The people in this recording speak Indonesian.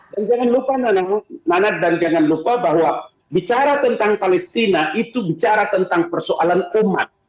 dan jangan lupa nana dan jangan lupa bahwa bicara tentang palestina itu bicara tentang persoalan umat